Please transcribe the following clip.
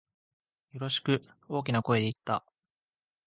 よろしく、大きな声で言った。